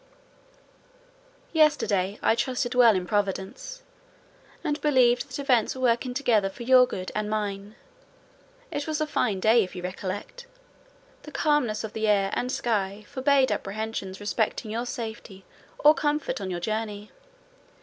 Yesterday I trusted well in Providence, and believed that events were working together for your good and mine: it was a fine day, if you recollect—the calmness of the air and sky forbade apprehensions respecting your safety or comfort on your journey.